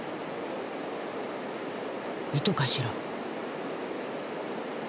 糸かしら？